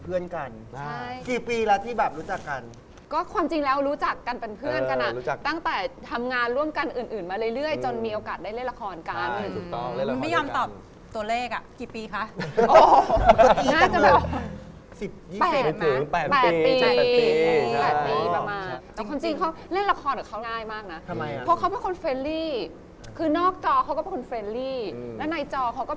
เออต้องกลับมากต้องกลับมากต้องกลับมากต้องกลับมากต้องกลับมากต้องกลับมากต้องกลับมากต้องกลับมากต้องกลับมากต้องกลับมากต้องกลับมากต้องกลับมากต้องกลับมากต้องกลับมากต้องกลับมากต้องกลับมากต้องกลับมากต้องกลับมาก